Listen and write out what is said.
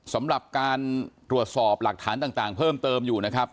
สำหรับการตรวจสอบหลักฐานต่างเพิ่มเติมอยู่นะครับ